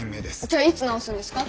じゃあいつ直すんですか？